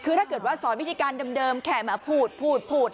คือถ้าเกิดว่าสอนวิธีการเดิมแค่มาพูดพูด